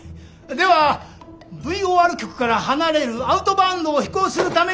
ではＶＯＲ局から離れるアウトバウンドを飛行するためには？